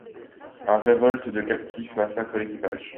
Une révolte des captifs massacre l’équipage.